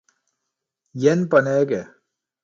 Jen, bonege.